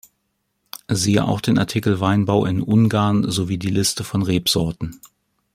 Siehe auch den Artikel Weinbau in Ungarn sowie die Liste von Rebsorten.